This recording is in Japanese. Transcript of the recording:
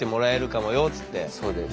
そうです。